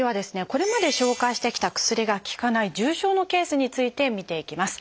これまで紹介してきた薬が効かない重症のケースについて見ていきます。